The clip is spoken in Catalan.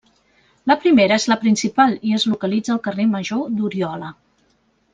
La primera és la principal i es localitza al carrer Major d'Oriola.